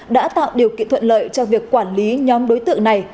đã tạo điều kiện thuận lợi cho việc quản lý nhóm đối tượng này